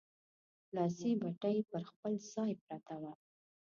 لاسي بتۍ پر خپل ځای پرته وه.